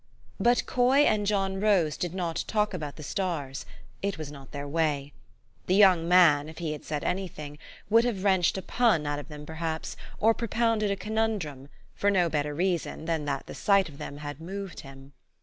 But Coy and John Rose did not talk about the stars : it was not their way. The young man, if he had said any thing, would have wrenched a pun out THE STORY OF AVIS. 23 of them perhaps, or propounded a conundrum, for no better reason than that the sight of them had moved him.